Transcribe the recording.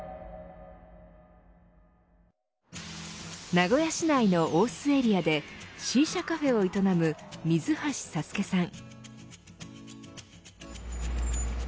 名古屋市内の大須エリアでシーシャカフェを営む水橋サスケさん。